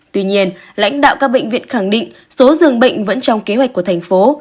tuy nhiên lãnh đạo các bệnh viện khẳng định số dường bệnh vẫn trong kế hoạch của thành phố